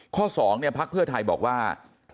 ข้อสองเนี่ยพักเพื่อไทยบอกว่า